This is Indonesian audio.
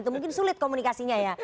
mungkin sulit komunikasinya ya